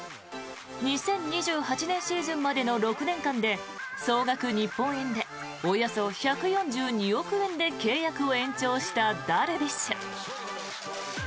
２０１８年シーズンまでの６年間で総額日本円でおよそ１４２億円で契約延長したダルビッシュ。